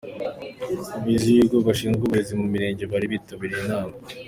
Abayobozi bibigo n’abashinzwe uburezi mu mirenge bari bitabiriye inama.